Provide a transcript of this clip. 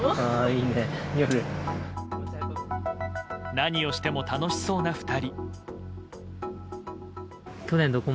何をしても楽しそうな２人。